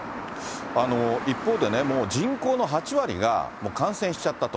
一方で、もう人口の８割がもう感染しちゃったと。